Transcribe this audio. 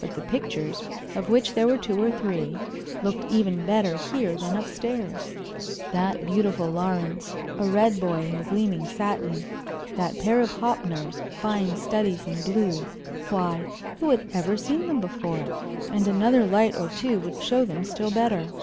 But the pictures, of which there were two or three, looked even better here than up stairs. That beautiful Lawrence a "red boy" in gleaming satin that pair of Hoppners, fine studies in blue, why, who had ever seen them before? And another light or two would show them still better.